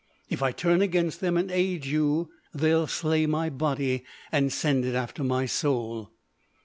If I turn against them and aid you, they'll slay my body, and send it after my soul!"